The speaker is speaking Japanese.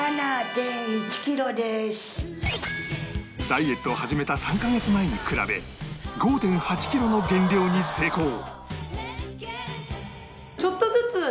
ダイエットを始めた３カ月前に比べ ５．８ キロの減量に成功